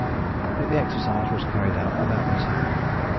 But the exercise was carried out without mishap.